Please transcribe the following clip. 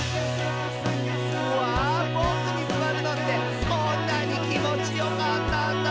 「うわボクにすわるのってこんなにきもちよかったんだ」